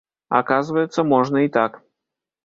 Аказваецца, можна і так.